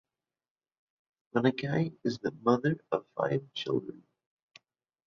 Funaki is the mother of five children.